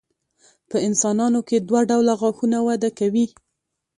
په انسانانو کې دوه ډوله غاښونه وده کوي.